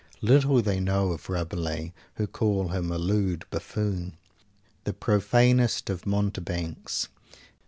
Little they know of Rabelais who call him a lewd buffoon the profanest of mountebanks.